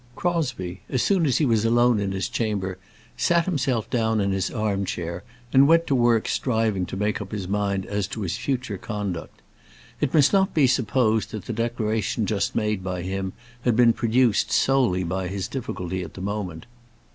Crosbie, as soon as he was alone in his chamber, sat himself down in his arm chair, and went to work striving to make up his mind as to his future conduct. It must not be supposed that the declaration just made by him had been produced solely by his difficulty at the moment.